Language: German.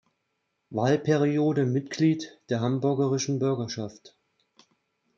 Wahlperiode Mitglied der Hamburgischen Bürgerschaft.